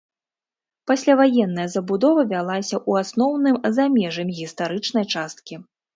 Пасляваенная забудова вялася ў асноўным за межамі гістарычнай часткі.